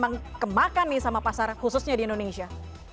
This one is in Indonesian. apa yang punya potensi besar memang kemakan nih sama pasar khususnya di indonesia